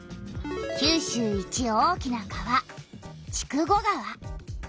九州一大きな川「筑後川」。